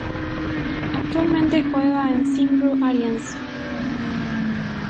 Actualmente juega en la Cymru Alliance.